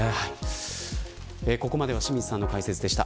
ここまでは清水さんの解説でした。